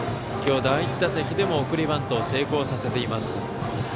きょう第１打席でも送りバントを成功させています。